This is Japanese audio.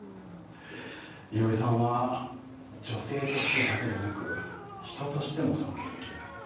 伊織さんは女性としてだけじゃなく人としても尊敬できる。